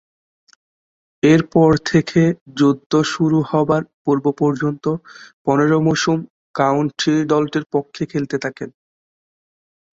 এরপর থেকে যুদ্ধ শুরু হবার পূর্ব-পর্যন্ত পনেরো মৌসুম কাউন্টি দলটির পক্ষে খেলতে থাকেন।